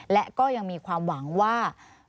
และก็ยังมีความหวังว่า